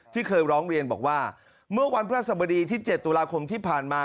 ที่เคยร้องเรียนบอกว่าเมื่อวันพระสบดีที่๗ตุลาคมที่ผ่านมา